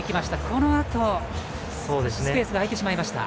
このあと、スペースが空いてしまいました。